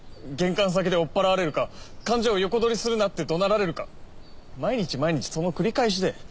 玄関先で追っ払われるか患者を横取りするなってどなられるか毎日毎日その繰り返しで。